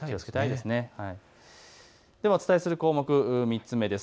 ではお伝えする項目、３つ目です。